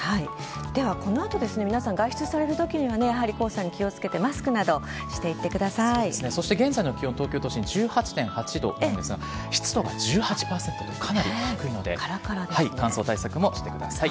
では、この後外出されるときには黄砂に気をつけてそして現在の気温東京都心１８．８度湿度が１８％と、かなり低いので乾燥対策もしてください。